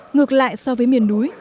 ngược lại so với miền núi